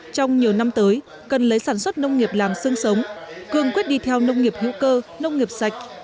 trong nhiều năm tới cần lấy sản xuất nông nghiệp làm sương sống cường quyết đi theo nông nghiệp hữu cơ nông nghiệp sạch